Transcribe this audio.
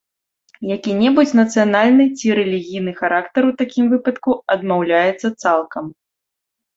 Які-небудзь нацыянальны ці рэлігійны характар у такім выпадку адмаўляецца цалкам.